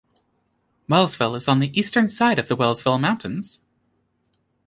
Wellsville is on the Eastern side of the Wellsville Mountains.